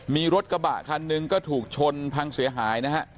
มีรถกระบะคันหนึ่งก็ถูกชนพังเสียหายนะฮะ